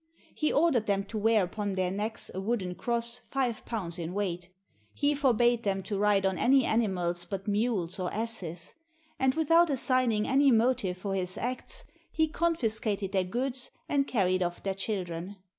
He ordered them to wear upon their necks a wooden cross five pounds in weight; he forbade them to ride on any animals but mules or asses; and, without assigning any motive for his acts, he confiscated their goods and carried off their children.